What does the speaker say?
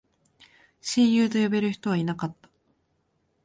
親友と呼べる人はいなかった